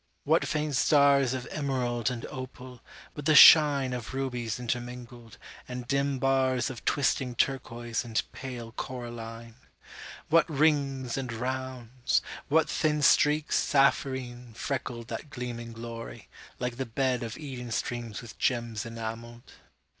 what faint starsOf emerald and opal, with the shineOf rubies intermingled, and dim barsOf twisting turquoise and pale coraline! What rings and rounds! what thin streaks sapphirineFreckled that gleaming glory, like the bedOf Eden streams with gems enamelled!